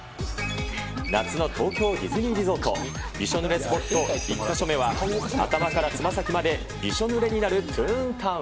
夏の東京ディズニーリゾート、びしょぬれスポット１か所目は、頭からつま先までびしょぬれになるトゥーンタウン。